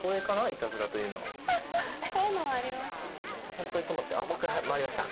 ホントに止まってもう一回はい回りました